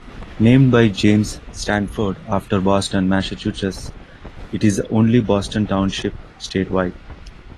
Named by James Stanford after Boston, Massachusetts, it is the only Boston Township statewide.